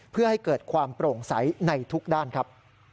เพื่อให้เกิดความโปร่งใสในทุกด้านครับ